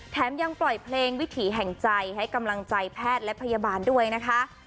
ยังปล่อยเพลงวิถีแห่งใจให้กำลังใจแพทย์และพยาบาลด้วยนะคะ